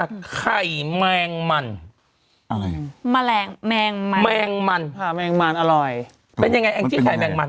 อะไรแมลงแมงมันแมงมันแมงมันอร่อยเป็นยังไงแองจี้ไข่แมงมัน